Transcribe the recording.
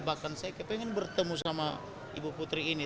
bahkan saya kepengen bertemu sama ibu putri ini